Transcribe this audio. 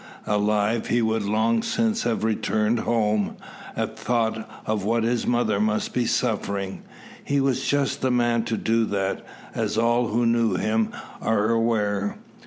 Alive he would long since have returned home, at thought of what his mother must be suffering. He was just the man to do that, as all who knew him are aware.